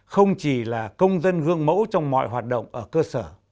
không chỉ là công dân gương mẫu trong mọi hoạt động ở cơ sở